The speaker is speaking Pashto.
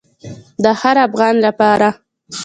د هر افغان لپاره.